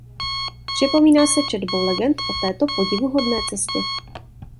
Připomíná se četbou legend o této podivuhodné cestě.